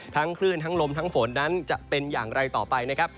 คลื่นทั้งลมทั้งฝนนั้นจะเป็นอย่างไรต่อไปนะครับ